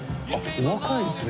お若いですね。